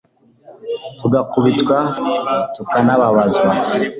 tugakubitwa ,tukanabazwa